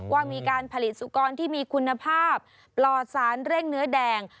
ว่ามีการผลิตสุกรที่มีคุณภาพปลอดสารเร่งเนื้อแดง